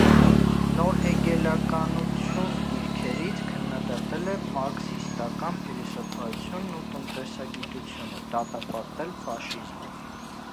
Նորհեգելականության դիրքերից քննադատել է մարքսիստական փիլիսոփայությունն ու տնտեսագիտությունը, դատապարտել ֆաշիզմը։